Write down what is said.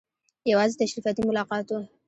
یوازې تشریفاتي ملاقات وو.